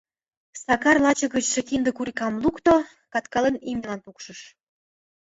Сакар лаче гычше кинде курикам лукто, каткален имньылан пукшыш.